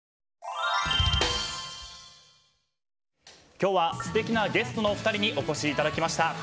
今日は素敵なゲストのお二人にお越しいただきました。